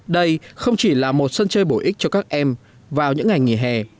đây không chỉ là một sân chơi bổ ích cho các em vào những ngày nghỉ hè